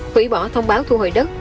hủy bỏ thông báo thu hồi đất